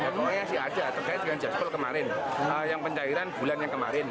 keuangannya sih ada terkait dengan jasper kemarin yang pencairan bulannya kemarin